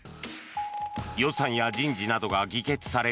予算や人事などが議決される